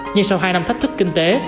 nhưng sau hai năm thách thức kinh tế